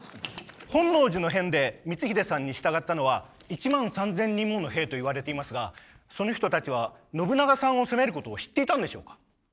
本能寺の変で光秀さんに従ったのは１万３，０００人もの兵といわれていますがその人たちは信長さんを攻めることを知っていたんでしょうか？